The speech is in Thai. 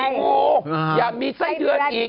อย่ามีงูอย่ามีไส้เลือนอีก